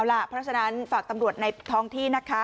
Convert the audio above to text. เพราะฉะนั้นฝากตำรวจในท้องที่นะคะ